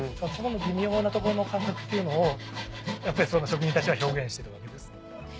微妙なところの感覚っていうのを職人たちは表現してるわけです。